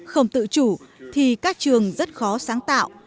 không tự chủ thì các trường rất khó sáng tạo